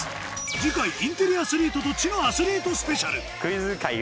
次回インテリアスリートと知のアスリートスペシャル！